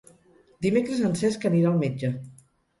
Dimecres en Cesc anirà al metge.